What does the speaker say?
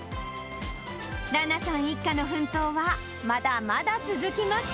羅名さん一家の奮闘は、まだまだ続きます。